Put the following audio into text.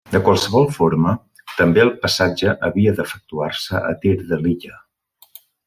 De qualsevol forma, també el passatge havia d'efectuar-se a tir de l'illa.